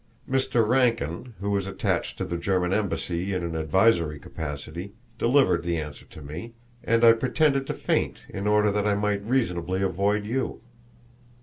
Mr. Rankin, who was attached to the German embassy in an advisory capacity, delivered the answer to me, and I pretended to faint in order that I might reasonably avoid you."